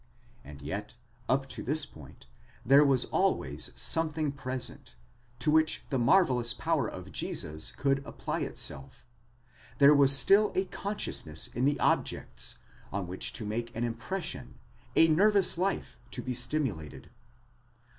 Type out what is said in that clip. And yet, up to this point, there was always something present, to which the miraculous power of Jesus could apply itself ; there was still a consciousness in the objects, on which to make an impression —a nervous life to be stimulated.